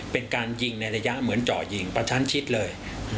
เป็นการยิงในระยะเหมือนเจาะยิงประชันชิดเลย